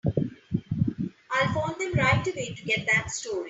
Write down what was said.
I'll phone them right away to get that story.